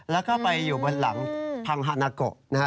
แล้วก็ไปอยู่บนหลังพังฮานาโกนะฮะ